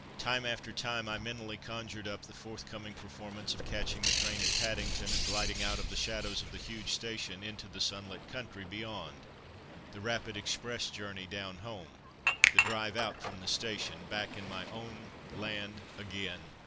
Time after time I mentally conjured up the forthcoming performance of catching the train at Paddington and gliding out of the shadows of the huge station into the sunlit country beyond the rapid express journey down home, the drive out from the station, back in my own land again!